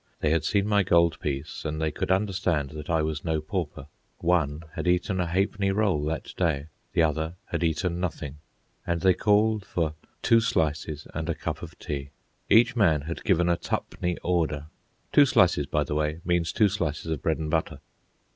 They had seen my gold piece, and they could understand that I was no pauper. One had eaten a ha'penny roll that day, the other had eaten nothing. And they called for "two slices an' a cup of tea!" Each man had given a tu'penny order. "Two slices," by the way, means two slices of bread and butter.